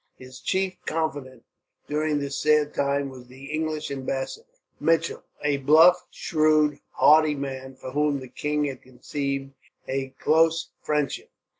His chief confidant during this sad time was the English ambassador, Mitchell; a bluff, shrewd, hearty man, for whom the king had conceived a close friendship.